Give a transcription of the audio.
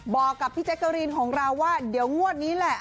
บอกกับพี่แจ๊กกะรีนของเราว่าเดี๋ยวงวดนี้แหละ